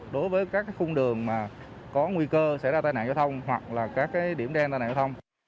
đối với các khung đường có nguy cơ xảy ra tai nạn giao thông hoặc là các điểm đen tai nạn giao thông